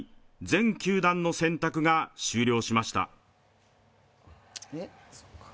全球団の選択が終了しました。